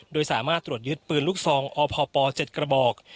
โดยสามารถตรวจยึดปืนลูกซองอพป๗กระบอก